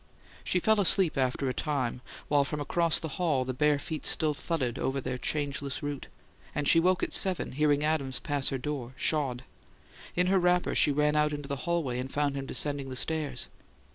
She fell asleep, after a time, while from across the hall the bare feet still thudded over their changeless route; and she woke at seven, hearing Adams pass her door, shod. In her wrapper she ran out into the hallway and found him descending the stairs.